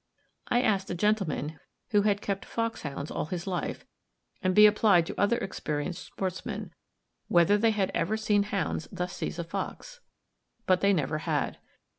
I asked a gentleman, who had kept foxhounds all his life, and he applied to other experienced sportsmen, whether they had ever seen hounds thus seize a fox; but they never had.